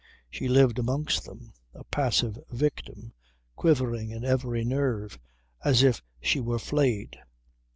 She lived amongst them, a passive victim, quivering in every nerve, as if she were flayed.